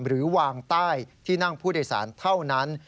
หรือวางใต้ที่นั่งผู้โดยสารเท่านั้น